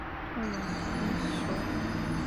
特约评论员文章